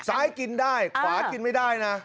กินได้ขวากินไม่ได้นะ